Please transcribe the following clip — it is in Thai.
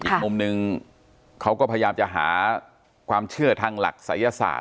อีกมุมนึงเขาก็พยายามจะหาความเชื่อทางหลักศัยศาสต